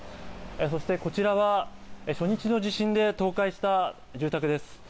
そしてこちらは初日の地震で倒壊した住宅です。